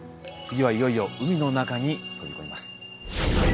次はいよいよ海の中に飛び込みます。